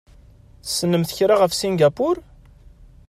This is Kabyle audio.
Tessnemt kra ɣef Singapur?